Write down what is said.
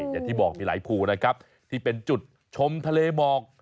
อย่างที่บอกมีหลายภูนะครับที่เป็นจุดชมทะเลหมอก